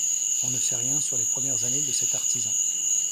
On ne sait rien sur les premières années de cet artisan.